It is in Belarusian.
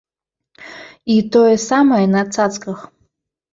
І тое самае на цацках.